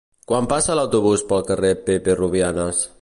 Quan passa l'autobús pel carrer Pepe Rubianes?